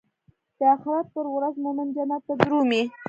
د اخرت پر ورځ مومن جنت ته درومي.